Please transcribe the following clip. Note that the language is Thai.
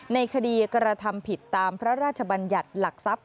ในคดีกระทำผิดตามพระราชบัญญัติหลักทรัพย